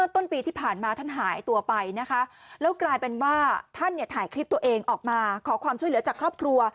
ท่านถ่ายคลิปตัวเองออกมาขอความช่วยเหลือจากครอบครัว